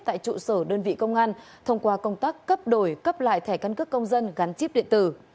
tại trụ sở đơn vị công an thông qua công tác cấp đổi cấp lại thẻ căn cước công dân gắn chip điện tử